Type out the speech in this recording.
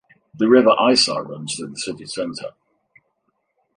The River Isar runs through the city centre.